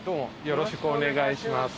よろしくお願いします。